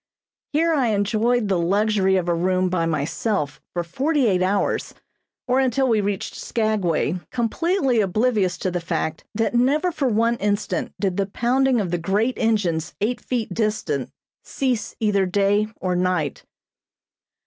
Here I enjoyed the luxury of a room by myself for forty eight hours, or until we reached Skagway, completely oblivious to the fact that never for one instant did the pounding of the great engines eight feet distant cease either day or night. [Illustration: DAWSON, Y. T.